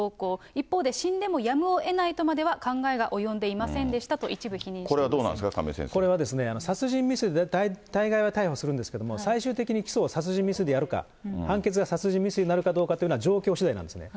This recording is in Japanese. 一方で、死んでもやむをえないとまでは考えが及んでいませんでしたと一部これは、どうなんですか、亀井先生。これは最終的に殺人未遂で逮捕するんですけれども、最終的に起訴は殺人未遂やるか、判決が殺人未遂かは分からないんですね。